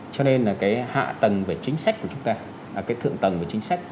cho nên là hạ tầng về chính sách của chúng ta là thượng tầng về chính sách